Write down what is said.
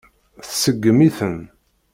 Tseggem-iten.